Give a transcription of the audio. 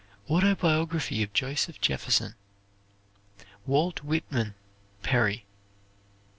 Autobiography of Joseph Jefferson. "Walt Whitman," Perry.